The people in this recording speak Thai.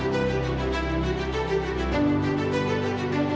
กูจะเลิกเล่นฟุตบอลวะ